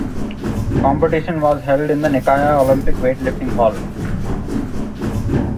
Competition was held in the Nikaia Olympic Weightlifting Hall.